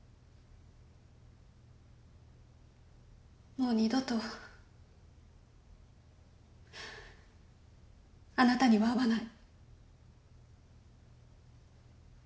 もう二度とあなたには会わない。